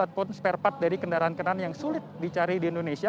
ataupun spare part dari kendaraan kendaraan yang sulit dicari di indonesia